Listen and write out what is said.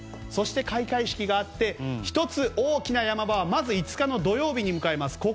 そして開会式があって１つ大きな山場はまず５日の土曜日に迎えます。